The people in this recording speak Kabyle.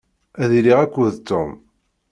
Ad iliɣ akked Tom.